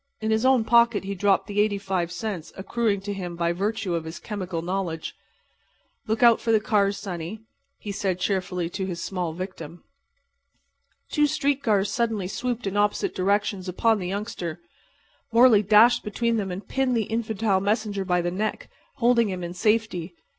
In his own pocket he dropped the 85 cents accruing to him by virtue of his chemical knowledge. "Look out for the cars, sonny," he said, cheerfully, to his small victim. Two street cars suddenly swooped in opposite directions upon the youngster. Morley dashed between them and pinned the infantile messenger by the neck, holding him in safety.